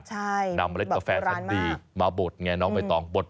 ใช่แบบโบราณมากนำเล็กกาแฟทันดีมาบดไงน้องไอ้ตองบด